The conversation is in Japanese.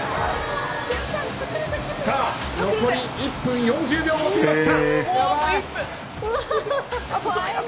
さあ、残り１分４０秒を切りました。